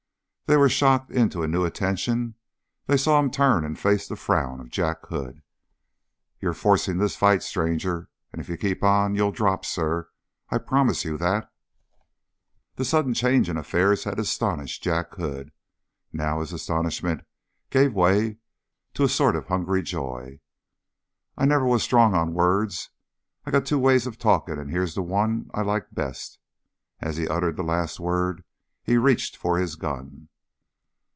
They were shocked into a new attention; they saw him turn and face the frown of Jack Hood. "You're forcing this fight, stranger. And, if you keep on, you'll drop, sir. I promise you that!" The sudden change in affairs had astonished Jack Hood; now his astonishment gave way to a sort of hungry joy. "I never was strong on words. I got two ways of talking and here's the one I like best!" As he uttered the last word he reached for his gun.